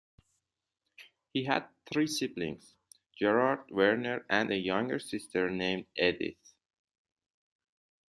He had three siblings: Gerhard, Werner and a younger sister named Edith.